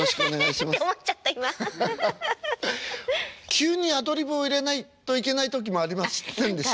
急にアドリブを入れないといけない時もありませんでした？